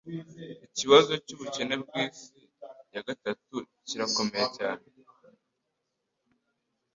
Ikibazo cyubukene bwisi ya gatatu kirakomeye cyane.